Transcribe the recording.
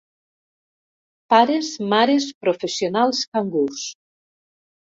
Pares mares professionals cangurs.